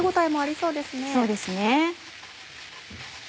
そうですね。